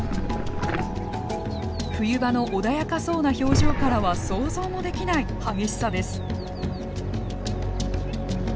冬場の穏やかそうな表情からは想像もできない激しさです。